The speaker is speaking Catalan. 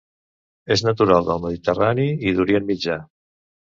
És natural del Mediterrani i d'Orient Mitjà.